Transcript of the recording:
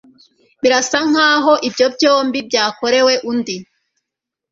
Birasa nkaho ibyo byombi byakorewe undi